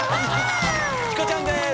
チコちゃんです。